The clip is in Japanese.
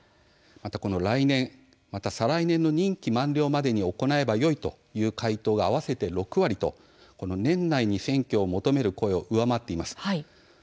来年また再来年の任期満了までに行えばよいという回答が合わせて６割と年内に選挙を求める声が上回っています。